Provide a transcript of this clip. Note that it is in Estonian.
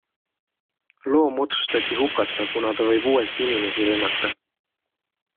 Loom otsustati hukata, kuna ta võib uuesti inimesi rünnata.